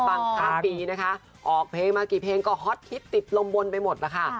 ข้ามปีนะคะออกเพลงมากี่เพลงก็ฮอตฮิตติดลมบนไปหมดล่ะค่ะ